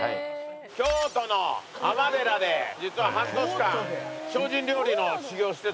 京都の尼寺で実は半年間精進料理の修業をしてた事がある。